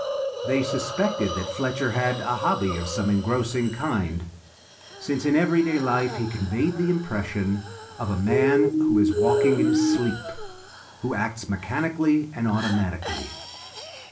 They suspected that Fletcher had some hobby of an engrossing kind, since in everyday life he conveyed the impression of a man who is walking in his sleep, who acts mechanically and automatically.